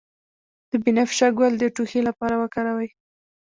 د بنفشه ګل د ټوخي لپاره وکاروئ